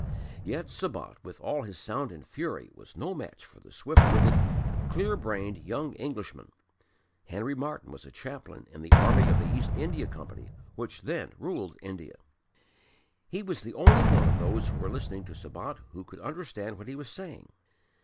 Yet Sabat, with all his sound and fury, was no match for the swift witted, clear brained young Englishman. Henry Martyn was a chaplain in the army of the East India Company, which then ruled in India. He was the only one of those who were listening to Sabat who could understand what he was saying.